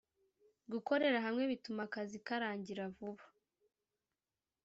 Gukorera hamwe bituma akazi ka rangira vuba